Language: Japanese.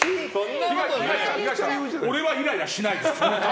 俺はイライラしないです。